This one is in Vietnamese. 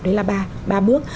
đấy là ba bước